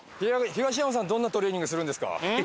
東山さんはどんなトレーニングするんですか。